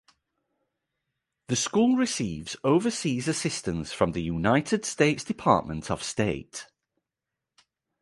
The school receives overseas assistance from the United States Department of State.